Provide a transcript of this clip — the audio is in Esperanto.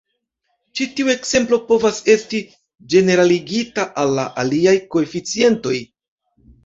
Ĉi tiu ekzemplo povas esti ĝeneraligita al la aliaj koeficientoj.